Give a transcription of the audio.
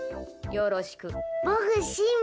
よろしく。